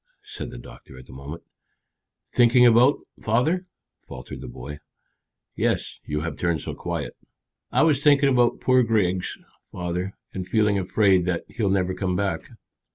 said the doctor at that moment. "Thinking about, father?" faltered the boy. "Yes; you have turned so quiet." "I was thinking about poor Griggs, father, and feeling afraid that he'll never come back."